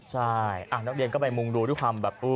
ใช่นักเรียนก็ไปมุ่งดูทุกค่ำแบบ